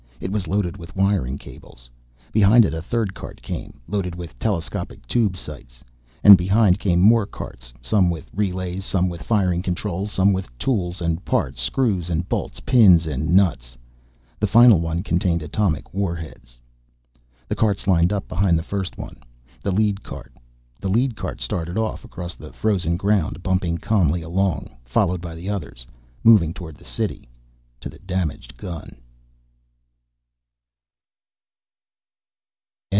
It was loaded with wiring cables. Behind it a third cart came, loaded with telescopic tube sights. And behind came more carts, some with relays, some with firing controls, some with tools and parts, screws and bolts, pins and nuts. The final one contained atomic warheads. The carts lined up behind the first one, the lead cart. The lead cart started off, across the frozen ground, bumping calmly along, followed by the others. Moving toward the city. To the damaged gun.